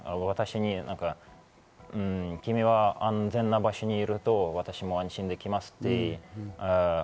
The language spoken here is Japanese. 私に、君が安全な場所にいると私も安心できますと。